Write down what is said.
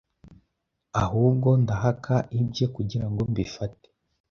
ahubwo ndahaka ibye kugirango mbifate